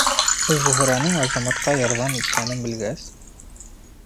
Зөһрәнең Азаматҡа ярҙам иткәнен белгәс: